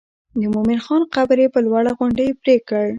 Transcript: د مومن خان قبر یې پر لوړه غونډۍ پرېکړ.